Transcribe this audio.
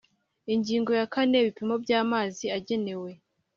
Ingingo ya kane Ibipimo by amazi agenewe